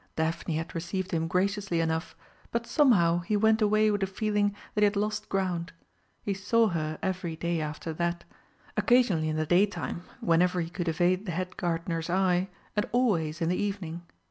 Daphne had received him graciously enough, but somehow he went away with a feeling that he had lost ground. He saw her every day after that, occasionally in the daytime, whenever he could evade the Head Gardener's eye, and always in the evening.